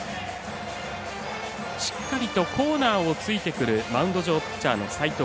しっかりとコーナーを突いてくるマウンド上、ピッチャーの齋藤。